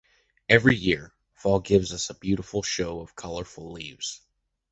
Every year, fall gives us a beautiful show of colorful leaves.